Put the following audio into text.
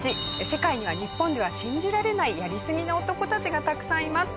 世界には日本では信じられないやりすぎな男たちがたくさんいます。